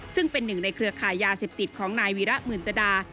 ซึ่งเป็นหนึ่งในเครือขายยาเสพติดของนายวีระหมื่นจดา